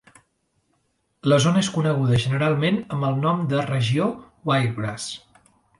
La zona és coneguda generalment amb el nom de regió Wiregrass.